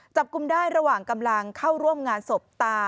จับกลุ่มได้ระหว่างกำลังเข้าร่วมงานศพตา